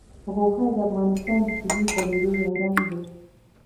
غوښې د افغانستان د طبیعي پدیدو یو رنګ دی.